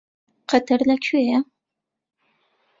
قەتەر لەکوێیە؟